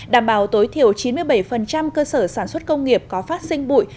đảm bảo tối thiểu chín mươi bảy cơ sở sản xuất công nghiệp có phát sinh bụi